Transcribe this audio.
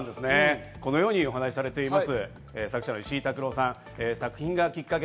このようにお話されています。